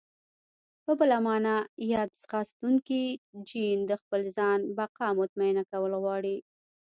په بله مانا ياد ځانغوښتونکی جېن د خپل ځان بقا مطمينه کول غواړي.